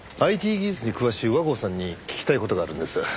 ＩＴ技術に詳しい和合さんに聞きたい事があるんです。